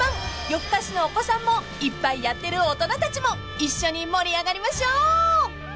夜更かしのお子さんも一杯やってる大人たちも一緒に盛り上がりましょう］